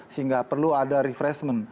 sehingga perlu ada refreshment